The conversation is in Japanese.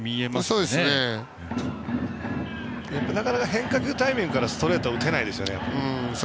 変化球タイミングからストレートは打てないですよね。